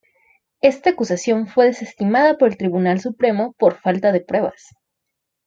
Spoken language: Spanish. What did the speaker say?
Esta acusación fue desestimada por el Tribunal Supremo por falta de pruebas.